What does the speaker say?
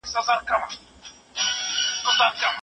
ډیپلوماسي د جنجالونو د هواري سوله ییزه لار ده.